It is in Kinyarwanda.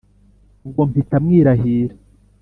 Ubwo mpita mwirahira